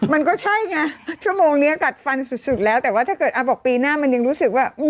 มันก็ใช่ไงชั่วโมงนี้กัดฟันสุดแล้วแต่ว่าถ้าเกิดบอกปีหน้ามันยังรู้สึกว่า